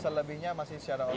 selebihnya masih secara online